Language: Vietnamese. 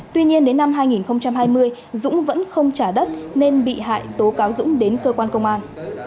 tuy nhiên đến năm hai nghìn hai mươi dũng vẫn không trả đất nên bị hại tố cáo dũng đến cơ quan công an